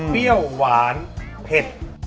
เปรี้ยวหวานเผ็ด